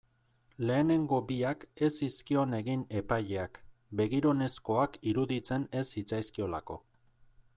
Lehenengo biak ez zizkion egin epaileak, begirunezkoak iruditzen ez zitzaizkiolako.